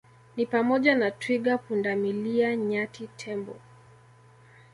ni pamoja na twiga pundamilia nyati tembo